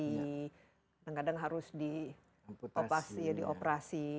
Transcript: kadang kadang harus dioperasi